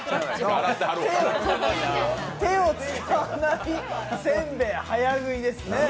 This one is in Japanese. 手を使わない煎餅早食いですね。